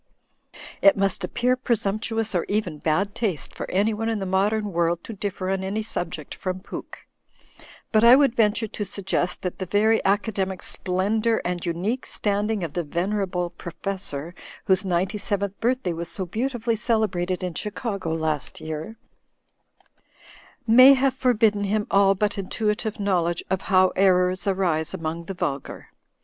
'i "It must appear presumptuous or even bad taste ::a for anyone in the modern world to differ on any sub *4 ject from Pooke ; but I would venture to suggest that ^ the very academic splendour and unique standing of % the venerable professor (whose ninety seventh birth i day was so beautifully celebrated in Chicago last year ), 'a may have forbidden him all but intuitive knowledge of t how errors arise among the vulgar.